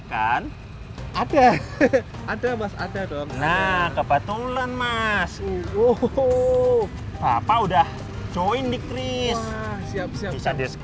kan ada ada mas ada dong nah kebetulan mas uhu apa udah join di kris siap siap